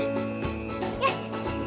よし！